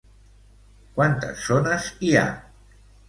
Quantes zones hi ha?